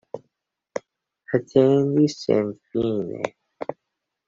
Atendis senfine.